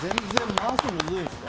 回すの、むずいんですか？